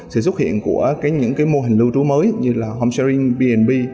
sẽ xuất hiện của những mô hình lưu trú mới như là homesharing b b